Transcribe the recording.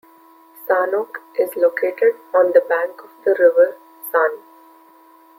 Sanok is located on the bank of the river San.